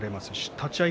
立ち合い